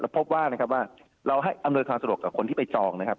พบว่านะครับว่าเราให้อำนวยความสะดวกกับคนที่ไปจองนะครับ